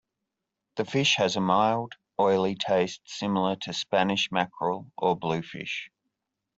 The fish has a mild, oily taste similar to Spanish mackerel or bluefish.